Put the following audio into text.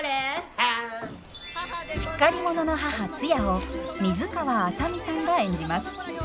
しっかり者の母ツヤを水川あさみさんが演じます。